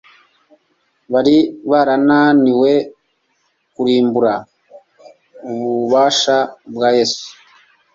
Bari barananiwe kurimbura ububasha bwa Yesu